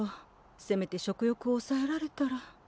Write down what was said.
せめて食欲をおさえられたら。